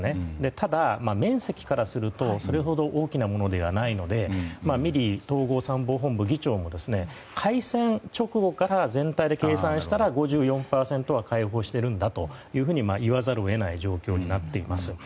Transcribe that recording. ただ、面積からするとそれほど大きなものではないのでミリー統合参謀本部議長も開戦直後から全体で計算したら５４％は解放しているんだと言わざるを得ない状況になっています。